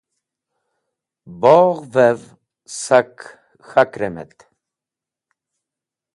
Bogh’vev sak k̃hak remet.